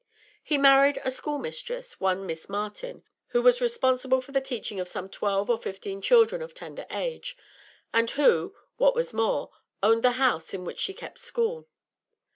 He married a schoolmistress, one Miss Martin, who was responsible for the teaching of some twelve or fifteen children of tender age, and who, what was more, owned the house in which she kept school.